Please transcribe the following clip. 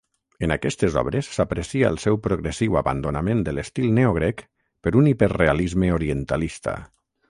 En aquestes obres s'aprecia el seu progressiu abandonament de l'estil neogrec per un hiperrealisme orientalista.